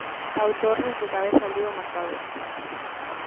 Pau Torres de cabeza abriu o marcador.